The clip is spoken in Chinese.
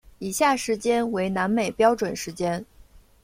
以下时间为南美标准时间。